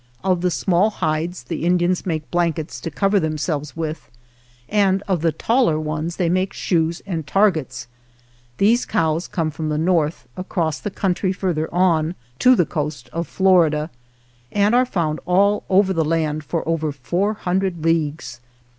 Of the small hides the Indians make blankets to cover themselves with, and of the taller ones they make shoes and targets. These cows come from the north, across the coun try further on, to the coast of Florida, and are found all over the land for over four hundred leagues.